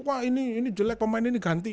wah ini jelek pemain ini ganti